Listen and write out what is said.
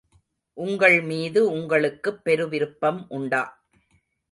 உங்கள்மீது உங்களுக்குப் பெருவிருப்பம் உண்டா?